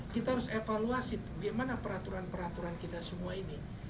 kita harus evaluasi bagaimana peraturan peraturan kita semua ini